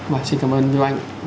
vâng xin cảm ơn như anh